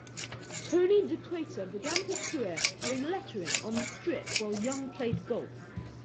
Tony DiPreta began his career doing lettering on the strip while Young played golf.